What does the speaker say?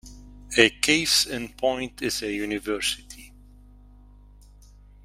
A case in point is a university.